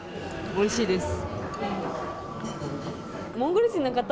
おいしいです。